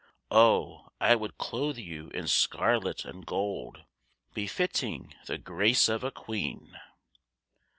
Oh, I would clothe you in scarlet and gold Befitting the grace of a queen.